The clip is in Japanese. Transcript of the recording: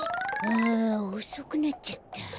あおそくなっちゃった。